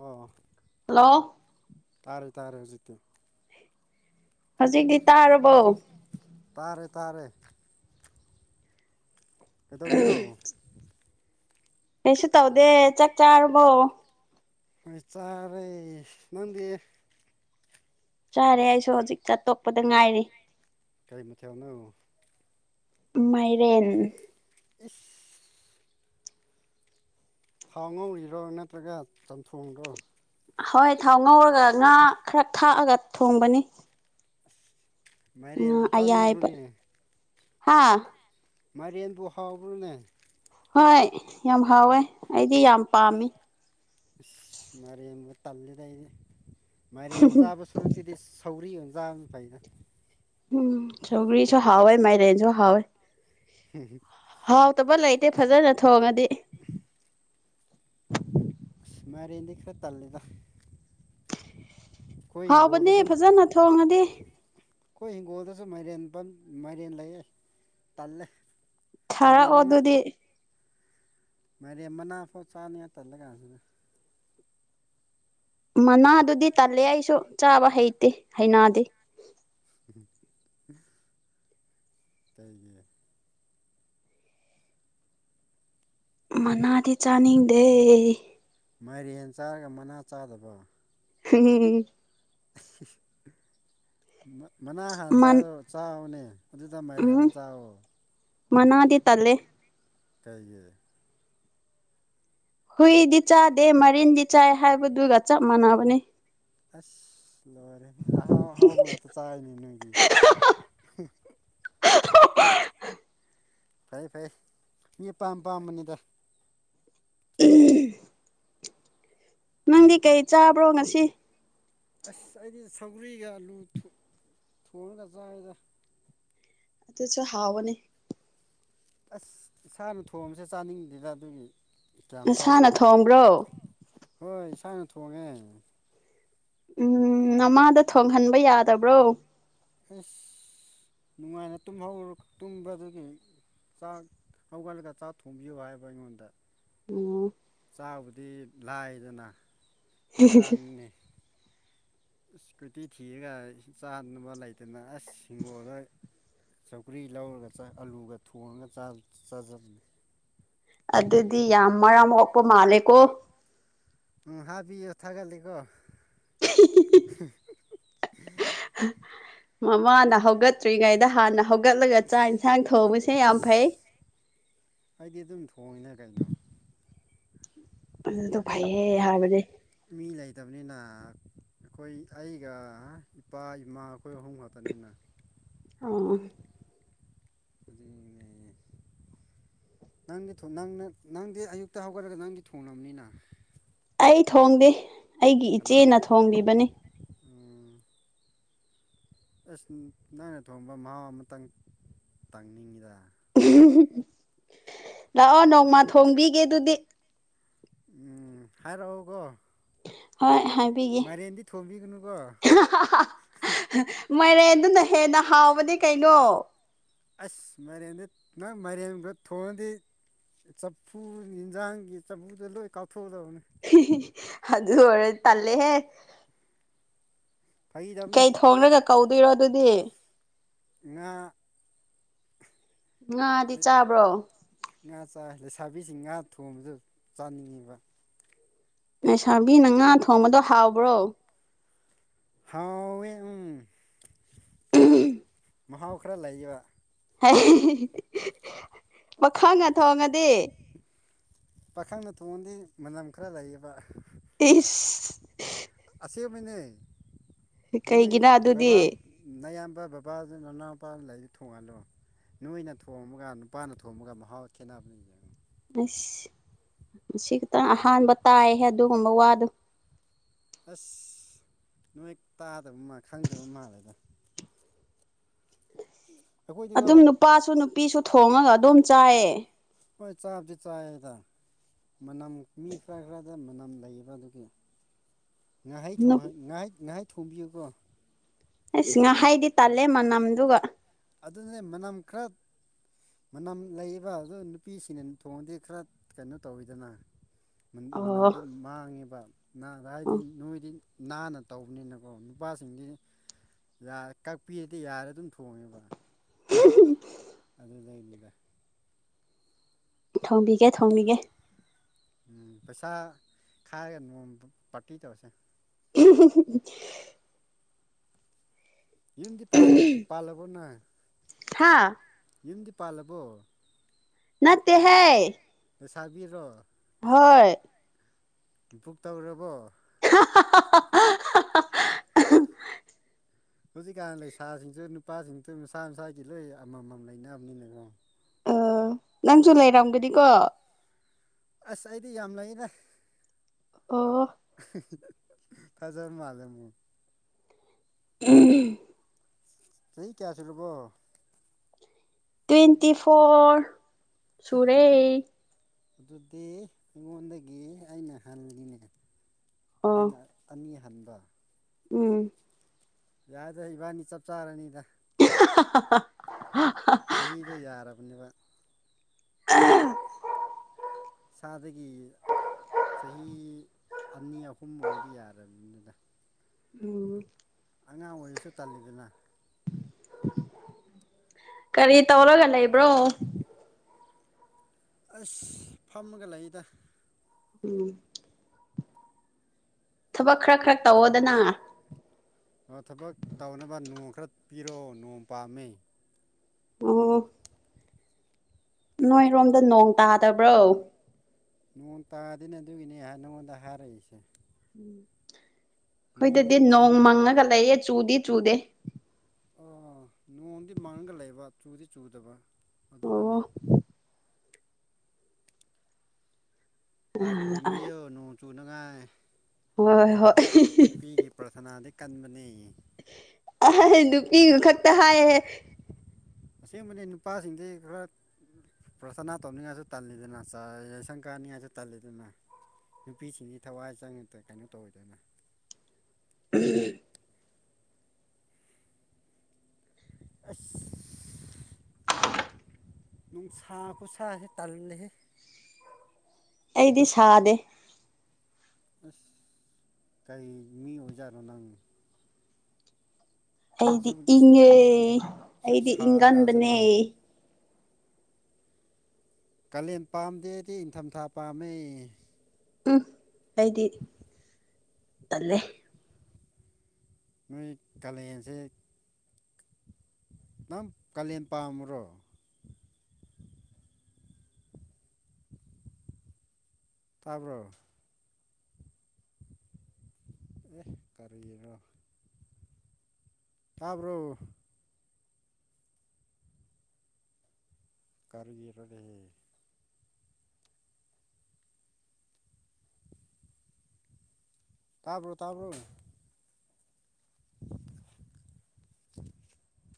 ꯑꯣꯥ ꯍꯜꯂꯣ ꯇꯥꯔꯦ ꯇꯥꯔꯦ ꯍꯨꯖꯤꯛꯇꯤ ꯍꯧꯖꯤꯛꯇꯤ ꯇꯥꯔꯕꯣ? ꯇꯥꯔꯦ ꯇꯥꯔꯦ ꯀꯗꯧꯔꯤꯅꯣ? ꯀꯩꯁꯨ ꯇꯧꯗꯦ ꯆꯥꯛ ꯆꯥꯔꯕꯣ? ꯍꯣꯏ ꯆꯥꯔꯦ ꯅꯪꯗꯤ ꯆꯥꯔꯦ ꯑꯩꯁꯨ ꯍꯧꯖꯤꯛꯇ ꯇꯣꯛꯄꯗ ꯉꯥꯏꯔꯤ꯫ ꯀꯩ ꯃꯊꯦꯜꯅꯣ? ꯃꯥꯏꯔꯦꯟ ꯏꯁ ꯊꯥꯎ ꯉꯧꯔꯤꯔꯣ ꯅꯠꯇ꯭ꯔꯒ ꯆꯝꯊꯣꯡꯔꯣ? ꯍꯣꯏ ꯊꯥꯎ ꯉꯧꯔꯒ ꯉꯥ ꯈꯔ ꯊꯥꯛꯑꯒ ꯊꯣꯡꯕꯅꯤ꯫ ꯎꯝ ꯃꯥꯏꯔꯦꯟꯕꯨ ꯑꯌꯥꯏꯕ ꯆꯥꯅꯤꯡꯕ꯭ꯔꯣꯅꯦ ꯍꯥꯥ ꯃꯥꯏꯔꯦꯟꯕꯨ ꯍꯥꯎꯕ꯭ꯔꯣꯅꯦ? ꯍꯣꯏ ꯌꯥꯝ ꯍꯥꯎꯋꯦ ꯑꯩꯗꯤ ꯌꯥꯝ ꯄꯥꯝꯃꯤ꯫ ꯏꯁ ꯃꯥꯏꯔꯦꯟꯕꯨ ꯇꯜꯂꯤꯗ ꯑꯩꯗꯤ ꯃꯥꯏꯔꯦꯟ ꯆꯥꯕ ꯗꯨꯗꯤ ꯁꯧꯒ꯭ꯔꯤ ꯑꫭꯏꯅ ꯆꯥꯕꯅ ꯐꯩꯗꯥ ꯎꯝ ꯁꯧꯒ꯭ꯔꯤꯁꯨ ꯍꯥꯥꯎꯋꯦ ꯃꯥꯥꯏꯔꯦꯟꯁꯨ ꯍꯥꯥꯎꯋꯦ꯫ [unintelligible] ꯍꯥꯎꯇꯕ ꯂꯩꯇꯦ ꯐꯖꯅ ꯊꯣꯡꯉꯗꯤ ꯑꯁ ꯃꯥꯔꯦꯟꯗꯤ ꯈꯔ ꯇꯜꯂꯤꯗ꯫ ꯑꯩꯈꯣꯏ ꯍꯥꯎꯕꯅꯦ ꯍꯤꯡꯒꯣꯜꯗꯁꯨꯨꯝ ꯐꯖꯅ ꯊꯣꯡꯉꯗꯤ ꯑꯩꯈꯣꯏ ꯍꯤꯡꯒꯣꯜꯗꯁꯨ ꯃꯥꯏꯔꯦꯟ ꯄꯟ ꯃꯥꯏꯔꯦꯟ ꯂꯩꯌꯦ ꯇꯜꯂꯦ ꯃꯥꯏꯔꯦꯟ ꯊꯥꯔꯛꯑꯣ ꯃꯅꯥ ꯑꯗꯨꯗꯤ ꯃꯥꯏꯔꯦꯟ ꯃꯅꯥ ꯐꯥꯎ ꯆꯥꯅꯤꯉꯥꯏ ꯇꯜꯂ ꯀꯥꯟꯁꯤꯗ ꯃꯅꯥꯗꯨꯗꯤ ꯇꯜꯂꯦ ꯑꯩꯁꯨ ꯆꯥꯕ ꯍꯩꯇꯦ ꯍꯩꯅꯥꯗꯦ ꯀꯩꯒꯤ ꯃꯅꯥꯗꯤ ꯆꯥꯅꯤꯡꯗꯦ ꯃꯥꯏꯔꯦꯟ ꯆꯥꯔꯒ ꯃꯅꯥ ꯆꯥꯗꯕ [unintelligible] ꯃꯠ ꯃꯅꯥ ꯍꯥꯟ ꯃꯟ ꯆꯥꯗꯧ ꯆꯥꯎꯅꯦ ꯑꯗꯨꯗ ꯃꯥꯏꯔꯦꯟ ꯎꯝ ꯑꯃꯨꯛ ꯆꯥꯎꯋꯣ ꯃꯅꯥꯗꯤ ꯇꯜꯂꯦ ꯀꯩꯒꯤ ꯍꯨꯏꯗꯤ ꯆꯥꯗꯦ ꯃꯥꯏꯔꯦꯟꯗꯤ ꯆꯥꯏ ꯍꯥꯏꯕꯗꯨꯒ ꯆꯞ ꯃꯥꯟꯅꯕꯅꯤ ꯑꯁ ꯂꯣꯏꯔꯦꯍꯦ ꯑꯍꯥꯎ ꯑꯍꯥꯎꯕ ꯉꯥꯛꯇ ꯆꯥꯏꯅꯦ ꯅꯣꯏꯗꯤ ꯐꯩ ꯐꯩ ꯃꯤ ꯑꯄꯥꯝ ꯄꯥꯝꯕꯅꯤꯗ [unintelligible] ꯅꯪꯗꯤ ꯀꯩ ꯆꯥꯕ꯭ꯔꯣ ꯉꯁꯤ ꯑꯁ ꯑꯩꯗꯤ ꯁꯧꯒꯔꯤꯒ ꯑꯂꯨ ꯊꯨꯛ ꯊꯣꯡꯉꯒ ꯆꯥꯏꯗ ꯑꯗꯨꯁꯨ ꯍꯥꯎꯕꯅꯦ ꯑꯁ ꯏꯁꯥꯅ ꯊꯣꯡꯕꯁꯦ ꯆꯥꯅꯤꯡꯗꯦꯗ ꯑꯗꯨꯒꯤ ꯀꯌꯥꯝ ꯅꯁꯥꯅ ꯆꯥꯗꯦꯗ ꯊꯣꯡꯕ꯭ꯔꯣ ꯍꯣꯏ ꯏꯁꯥꯅ ꯊꯣꯡꯉꯦ ꯎꯝ ꯅꯃꯥꯗ ꯊꯣꯡꯍꯟꯕ ꯌꯥꯗꯕ꯭ꯔꯣ ꯑꯩꯁ ꯅꯨꯡꯉꯥꯏꯅ ꯇꯨꯝꯍꯧꯔ ꯇꯨꯝꯕ ꯑꯗꯨꯒꯤ ꯆꯥꯛ ꯍꯧꯒꯠꯂꯒ ꯆꯥꯛ ꯊꯣꯡꯕꯤꯌꯨ ꯍꯥꯏꯕ ꯑꯩꯉꯣꯟꯗ ꯎꯝ ꯆꯥꯛꯕꯨꯗꯤ ꯂꯥꯏꯗꯅ ꯍꯤꯟꯖꯥꯡꯅꯤꯅꯦ ꯏꯁ ꯀꯨꯏꯇꯤ ꯊꯤꯔꯒ ꯆꯥꯅꯕ ꯂꯩꯇꯅ ꯑꯁ ꯍꯤꯡꯒꯣꯜꯗꯩ ꯁꯧꯒ꯭ꯔꯤ ꯂꯧꯔꯒ ꯆꯥꯏ ꯑꯂꯨꯒ ꯊꯣꯡꯉꯒ ꯆꯥ ꯆꯥꯖꯕꯅꯦ ꯑꯗꯨꯗꯤ ꯌꯥꯝ ꯃꯔꯝ ꯃꯣꯛꯄ ꯃꯥꯜꯂꯦꯀꯣ ꯎꯝ ꯍꯥꯞꯄꯤꯌꯣ ꯊꯥꯒꯠꯂꯤꯀꯣ [unintelligible] [inaudible] ꯃꯃꯥꯅ ꯍꯧꯒꯠꯇ꯭ꯔꯤꯉꯩꯗ ꯍꯥꯟꯅ ꯍꯧꯒꯠꯂꯒ ꯆꯥꯛ ꯏꯟꯁꯥꯡ ꯊꯣꯡꯕꯁꯦ ꯌꯥꯝ ꯑꯁ ꯐꯩ ꯑꯩꯗꯤ ꯑꯗꯨꯝ ꯊꯣꯡꯉꯤꯅ ꯀꯩꯅꯣ ꯑꯗꯨꯗꯣ ꯐꯩꯌꯦ ꯍꯥꯏꯕꯅꯦ ꯃꯤ ꯂꯩꯇꯕꯅꯤꯅ ꯑꯩꯈꯣꯏ ꯑꯩꯒ ꯏꯄꯥ ꯏꯃꯥ ꯑꯩꯈꯣꯏ ꯑꯍꯨꯝ ꯈꯛꯇꯅꯤꯅ ꯑ ꯑꯗꯨꯏꯅꯤꯅꯦ ꯅꯪꯗꯤ ꯊꯣꯡ ꯅꯪꯅ ꯅꯪꯗꯤ ꯑꯌꯨꯛꯇ ꯍꯧꯒꯠꯂꯒ ꯅꯪꯗꯤ ꯊꯣꯡꯂꯝꯅꯤꯅ ꯑꯩ ꯊꯣꯡꯗꯦ ꯑꯩꯒꯤ ꯀꯅꯥ ꯏꯆꯦꯅ ꯊꯣꯡꯕꯤꯕꯅꯤ ꯎꯝ ꯑꯁ ꯅꯪꯅ ꯊꯣꯡꯕ ꯃꯍꯥꯎ ꯑꯃꯇꯪ ꯇꯪꯅꯤꯡꯉꯤꯗ ꯂꯥꯛꯑꯣ ꯅꯣꯡꯃ ꯊꯣꯡꯕꯤꯒꯦ ꯑꯗꯨꯗꯤ ꯎꯝ ꯍꯥꯏꯔꯛꯑꯣꯀꯣ ꯍꯣꯏ ꯍꯥꯏꯕꯤꯒꯦ ꯃꯥꯏꯔꯦꯟꯗꯤ ꯊꯣꯡꯕꯤꯒꯅꯨꯀꯣ ꯃꯥꯏꯔꯦꯟꯗꯨꯅ ꯍꯦꯟꯅ ꯍꯥꯎꯕꯅꯤ ꯀꯩꯅꯣ ꯑꯁ ꯃꯥꯏꯔꯦꯟꯗꯨ ꯅꯪ ꯃꯥꯏꯔꯦꯟꯕꯨ ꯊꯣꯡꯉꯗꯤ ꯆꯐꯨ ꯌꯦꯟꯖꯥꯡꯒꯤ ꯆꯐꯨꯗ ꯂꯣꯏ ꯀꯥꯎꯊꯣꯛꯑꯗꯕꯅꯤ ꯑꯗꯨ ꯑꯣꯏꯔ ꯇꯜꯂꯦꯍꯦ ꯐꯥꯒꯤꯗꯕꯅꯤ ꯀꯩ ꯊꯣꯡꯂꯒ ꯀꯧꯗꯣꯏꯔꯣ ꯑꯗꯨꯗꯤ ꯉꯥ ꯉꯥꯗꯤ ꯆꯥꯕ꯭ꯔꯣ ꯉꯥ ꯆꯥꯏ ꯂꯩꯁꯥꯕꯤꯁꯤꯡ ꯉꯥ ꯊꯣꯡꯕꯗꯨ ꯆꯥꯅꯤꯡꯉꯦꯕ ꯂꯩꯁꯥꯕꯤꯅ ꯉꯥ ꯊꯣꯡꯕꯗꯣ ꯍꯥꯎꯕ꯭ꯔꯣ ꯍꯥꯎꯋꯦ ꯎꯝ ꯎꯝ ꯃꯍꯥꯎ ꯈꯔ ꯂꯩꯌꯦꯕ ꯍ ꯄꯈꯪꯅ ꯊꯣꯡꯉꯗꯤ ꯄꯥꯈꯪꯅ ꯊꯣꯡꯉꯗꯤ ꯃꯅꯝ ꯈꯔ ꯂꯩꯌꯦꯕ ꯏꯁ ꯑꯁꯦꯝꯕꯩꯅꯦ ꯅꯣꯏ ꯀꯩꯒꯤꯔ ꯑꯗꯨꯗꯤ ꯕꯕꯥ ꯅꯌꯥꯝꯕ ꯕꯕꯥ ꯅꯅꯥꯎꯄꯥ ꯂꯩꯗꯤ ꯊꯣꯡꯍꯜꯂꯣ ꯅꯣꯏꯅ ꯊꯣꯡꯕꯒ ꯅꯨꯄꯥꯅ ꯊꯣꯡꯕꯒ ꯃꯍꯥꯎ ꯈꯦꯠꯅꯕꯅꯦ ꯌꯦꯡꯉꯨ ꯑꯁ ꯉꯁꯤ ꯈꯤꯇꯪ ꯑꯍꯥꯟꯕ ꯇꯥꯏꯍꯦ ꯑꯗꯨꯒꯨꯝꯕ ꯋꯥꯗꯣ ꯑꯁ ꯅꯣꯏ ꯇꯥꯗꯕ ꯃꯥꯜ ꯈꯪꯗꯕ ꯃꯥꯜꯂꯦꯗ ꯑꯩꯈꯣꯏꯗꯤꯀꯣ ꯑꯗꯨꯝ ꯅꯨꯄꯥꯁꯨ ꯅꯨꯄꯤꯁꯨ ꯊꯣꯡꯉꯒ ꯑꯗꯨꯝ ꯆꯥꯏꯌꯦ ꯍꯣꯏ ꯆꯥꯕꯗꯤ ꯆꯥꯏꯌꯦꯗ ꯃꯅꯝ ꯃꯤ ꯈꯔ ꯈꯔꯗ ꯃꯅꯝ ꯂꯩꯕ ꯑꯗꯨꯒꯤ ꯉꯥꯍꯩ ꯊꫭꯡꯍꯟ ꯉꯥꯍꯩ ꯉꯥꯍꯩ ꯊꯣꯡꯕꯤꯌꯨꯀꯣ ꯑꯁ ꯉꯥꯍꯩꯗꯤ ꯇꯜꯂꯦ ꯃꯅꯝꯗꯨꯒ ꯑꯗꯨꯅꯦ ꯃꯅꯝ ꯈꯔ ꯃꯅꯝ ꯂꯩꯕ ꯑꯗꯨ ꯅꯨꯄꯤꯁꯤꯡꯅ ꯊꯣꯡꯒꯗꯤ ꯈꯔ ꯀꯩꯅꯣ ꯇꯧꯋꯤꯗꯅ ꯑꯣ ꯃꯅꯝꯗꯨ ꯃꯥꯡꯉꯦꯕ ꯅꯥꯗ ꯍꯥꯏꯗꯤ ꯑꯣ ꯅꯣꯏꯗꯤ ꯅꯥꯟꯅ ꯇꯧꯕꯅꯤꯅꯀꯣ ꯅꯨꯄꯥꯁꯤꯡꯗꯤ ꯌꯥ ꯀꯥꯛꯄꯤꯔꯗꯤ ꯌꯥꯔ ꯑꯗꯨꯝ ꯊꯣꯡꯉꯦꯕ [unintelligible] ꯑꯗꯨꯗꯩꯅꯤꯗ ꯊꯣꯡꯕꯤꯒꯦ ꯊꯣꯡꯕꯤꯒꯦ ꯎꯝ ꯄꯩꯁꯥ ꯈꯥꯏꯔꯒ ꯅꯣꯡꯃ ꯄꯥꯔꯇꯤ ꯇꯧꯔꯁꯦ [inaudible] ꯌꯨꯝꯗꯤ ꯄꯥꯟꯗ꯭ꯔꯤ ꯄꯥꯜꯂꯕꫭ ꯅꯪ ꯍꯥ ꯌꯨꯝꯗꯤ ꯄꯥꯜꯂꯕꯣ ꯅꯠꯇꯦꯍꯦ ꯂꯩꯁꯥꯥꯕꯤꯔꯣ ꯍꯣꯏ ꯕꯨꯛ ꯇꯧꯔꯕꯣ [unintelligible] ꯍꯧꯖꯤꯛꯀꯥꯟ ꯂꯩꯁꯥꯁꯤꯡꯁꯨ ꯅꯨꯄꯥꯁꯤꯡꯁꯨ ꯃꯁꯥ ꯃꯁꯥꯒꯤ ꯂꯣꯏ ꯑꯃꯃꯝ ꯂꯩꯅꯕꯅꯤꯅꯀꯣ ꯑꯣ ꯅꯪꯁꯨ ꯂꯩꯔꯝꯒꯅꯤꯀꯣ ꯑꯁ ꯑꯩꯗꯤ ꯌꯥꯝ ꯂꯩꯔꯦ ꯑꯣ ꯐꯖꯔ ꯃꯥꯜꯦ ꯃꯨꯛ ꯎꯝ ꯆꯍꯤ ꯀꯌꯥ ꯁꯨꯔꯕꯣ ꯇ꯭ꯋꯦꯟꯇꯤ ꯐꯣꯔ ꯁꯨꯔꯦ ꯑꯗꯨꯗꯤ ꯑꯩꯉꯣꯟꯗꯒꯤ ꯑꯩꯅ ꯍꯟꯜꯂꯤꯅꯦ ꯑꯣ ꯑꯩꯅ ꯑꯅꯤ ꯍꯟꯕ ꯎꯝ ꯌꯥꯗ꯭ꯔꯦ ꯏꯕꯥꯅꯤ ꯆꯞ ꯆꯥꯔꯅꯤꯗ [unintelligible] [unintelligible] ꯆꯍꯤꯗ ꯌꯥꯔꯕꯅꯦꯕ [unintelligible] ꯁꯥꯗꯒꯤ ꯆꯍꯤ ꯑꯅꯤ ꯑꯍꯨꯝ ꯑꯣꯏꯗꯤ ꯌꯥꯔꯕꯅꯤꯗ ꯂꯨ ꯑꯉꯥꯡ ꯑꯣꯏꯔꯁꯨ ꯇꯜꯂꯤꯗꯅ ꯀꯔꯤ ꯇꯧꯔꯒ ꯂꯩꯕ꯭ꯔꯣ ꯑꯁ ꯐꯝꯃꯒ ꯂꯩꯗ ꯎꯝ ꯊꯕꯛ ꯈꯔ ꯈꯔ ꯇꯧꯋꯣꯗꯅ ꯊꯕꯛ ꯇꯧꯅꯕ ꯅꯣꯡ ꯈꯔ ꯄꯤꯔꯛꯑꯣ ꯅꯣꯡ ꯄꯥꯝꯃꯦ ꯑꯣ ꯅꯣꯏꯔꯣꯝꯗ ꯅꯣꯡ ꯇꯥꯗꯕ꯭ꯔꯣ ꯅꯣꯡ ꯇꯥꯗꯅꯦ ꯑꯗꯨꯒꯤꯅꯦ ꯅꯪꯉꯣꯟꯗ ꯍꯥꯏꯔꯛꯏꯁꯦ ꯅꯣꯡꯗꯤ ꯈꯣꯏꯗꯗꯤ ꯃꯪ ꯅꯣꯡ ꯃꯪꯉꯒ ꯂꯩꯌꯦ ꯆꯨꯗꯤ ꯆꯨꯗꯦ ꯑꯣ ꯅꯣꯡꯗꯤ ꯃꯥꯡꯒ ꯂꯩꯕ ꯆꯨꯗꯤ ꯆꯨꯗꯕ ꯑꯣ ꯑꯗꯨꯗꯅꯤ ꯂꯥꯏ ꯈꯨꯔꯨꯝꯕꯤꯌꯨ ꯅꯣꯡ ꯆꯨꯅꯉꯥꯏ ꯍꯣꯏ ꯍꯣꯏ ꯅꯨꯄꯤꯒꯤ ꯄ꯭ꯔꯊꯅꯥꯗꯤ ꯀꯟꯕꯅꯦ ꯅꯨꯄꯤ ꯒ ꯈꯛꯇ ꯍꯥꯏꯍꯦ ꯑꯁꯦꯡꯕꯅꯦ ꯅꯨꯄꯥꯁꯤꯡꯗꯤ ꯈꯔ ꯄ꯭ꯔꯁꯅꯥ ꯇꯧꯅꯤꯡꯉꯥꯏꯁꯨ ꯇꯜꯂꯤꯗꯅ ꯆꯥꯔ ꯌꯥꯏꯁꯪ ꯀꯥꯅꯤꯡꯉꯥꯏꯁꯨ ꯇꯜꯂꯤꯗꯅ ꯅꯨꯄꯤꯁꯤꯡꯁꯤ ꯊꯋꯥꯏ ꯆꯪꯉꯛꯇ ꯀꯩꯅꯣ ꯇꯧꯋꯤꯗꯅ ꯎꯝ ꯑꯁ ꯅꯨꯡꯁꯥ ꯈꯨꯁꯥꯁꯦ ꯇꯥꯜꯂꯦꯍꯦ ꯑꯩꯗꯤ ꯁꯥꯗꯦ ꯑꯁ ꯀꯥꯏ ꯃꯤ ꯑꯣꯏꯖꯥꯅꯣ ꯅꯪ ꯑꯩꯗꯤ ꯁꯨꯝ ꯏꯪꯉꯦ ꯁꯨꯛ ꯑꯩꯗꯤ ꯁꯥꯔꯒ ꯁꯤ ꯏꯪꯒꯟꯕꯅꯦ ꯇ ꯀꯥꯂꯦꯟ ꯄꯥꯝꯗꯦ ꯑꯩꯗꯤ ꯏꯟꯊꯝꯊꯥ ꯄꯥꯝꯃꯦ ꯎꯝ ꯑꯩꯗꯤ ꯇꯜꯂꯦ ꯅꯣꯏ ꯀꯥꯂꯦꯟꯁꯦ ꯅꯪ ꯀꯥꯂꯦꯟ ꯄꯥꯃꯨꯔꯣ ꯇꯥꯕ꯭ꯔꯣ ꯑꯦ ꯀꯔꯤꯔꯣ ꯇꯥꯕ꯭ꯔꯣ ꯀꯔꯒꯤꯔꯣꯅꯦ ꯇꯥꯕ꯭ꯔꯣ ꯇꯥꯕ꯭ꯔꯣ [inaudible]